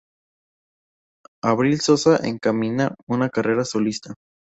Abril Sosa encamina una carrera solista.